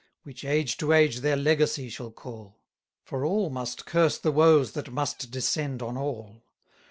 260 Which age to age their legacy shall call; For all must curse the woes that must descend on all.